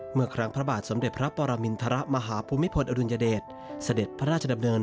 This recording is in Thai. เมื่อครั้งพระบาทสมรรถประปรมิณฑระมหาภูมิพลอดุญเดสเด็จพระราชดำเนิน